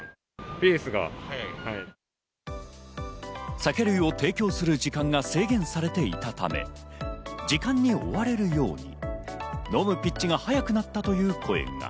酒類を提供する時間が制限されていたため、時間に追われるように飲むピッチが速くなったという声が。